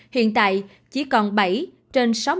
hiện tại chỉ còn bảy trên sáu mươi